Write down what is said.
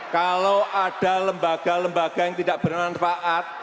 kalau ada lembaga lembaga yang tidak bermanfaat